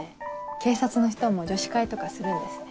警察の人も女子会とかするんですね。